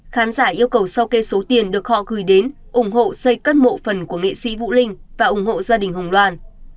khán giả yêu cầu sau kê số tiền được họ gửi đến ủng hộ xây cất mộ phần của nghệ sĩ vũ linh và ủng hộ gia đình hùng đoàn